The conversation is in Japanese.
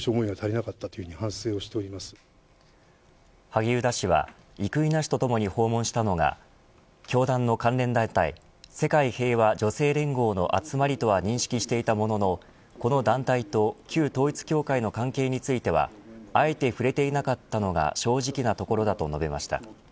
萩生田氏は生稲氏と共に訪問したのが教団の関連団体世界平和女性連合の集まりとは認識していたもののこの団体と旧統一教会との関係についてはあえて触れていなかったのが正直なところだと述べました。